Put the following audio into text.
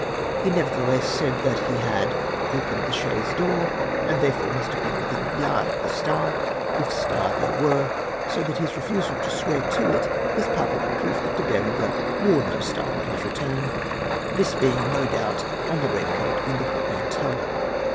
'' He nevertheless said that he had " opened the chaise door," and therefore must have been within a yard of the star, if star there were, so that his refusal to swear to it is palpable proof that De Berenger ivore no star on his return^ tliis being B B 3 374 TEOOFS OF THIS FALLACY. no doubt on tlie red coat in the portmanteau.